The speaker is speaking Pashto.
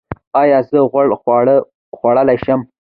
ایا زه غوړ خواړه خوړلی شم؟